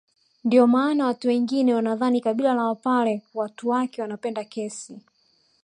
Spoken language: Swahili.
Ndio maana watu wengine wanadhani kabila la wapare watu kwake wanapenda kesi